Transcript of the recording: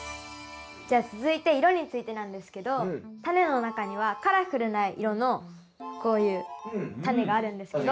じゃあ続いて色についてなんですけどタネの中にはカラフルな色のこういうタネがあるんですけど。